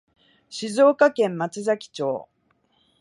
静岡県松崎町